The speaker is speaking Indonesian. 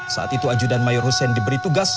saat itu ajudan mayor hussein diberi tugas